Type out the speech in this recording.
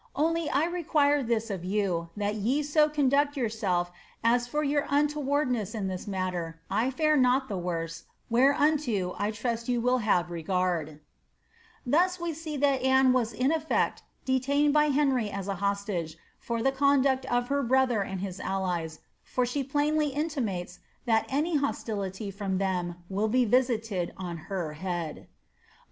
Only I require this of yuu, that yc to amiaeS yifurtelf at for your untuwardnca in this matter^ I fare not the icwse, whereuttoJ inut you will have regard,*' Thus we see that Anne was in effect detained by Henry as a hostage) for the conduct of her brother and his allies, for she plainly intioMies that any hostility from them will he visited on her head.